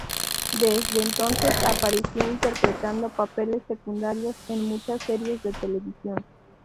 Desde entonces apareció interpretando papeles secundarios en muchas series de televisión.